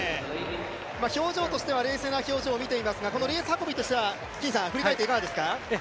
表情としては冷静な表情でしたがこのレース運びとしては振り返っていかがですか？